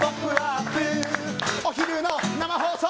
お昼の生放送